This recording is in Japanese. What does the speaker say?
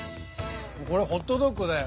これはホットドッグだよ。